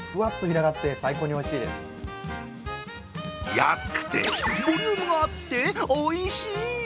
安くて、ボリュームがあって、おいしい！